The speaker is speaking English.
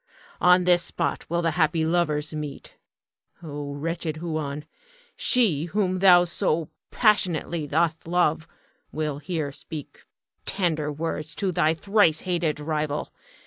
On this spot will the happy lovers meet. O wretched Huon! she whom thou so passionately doth love will here speak tender words to thy thrice hated rival.